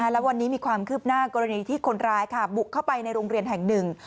และวันนี้มีความคืบหน้ากรณีที่คนร้ายบุกเข้าไปในโรงเรียนแห่งหนึ่ง